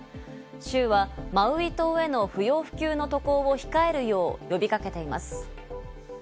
州はマウイ島への不要不急の渡航を控えるよう呼び掛けています。